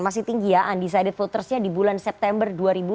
masih tinggi ya undecided votersnya di bulan september dua ribu dua puluh